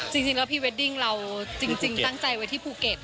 จริงแล้วพรีเวดดิ้งเราจริงตั้งใจไว้ที่ภูเก็ต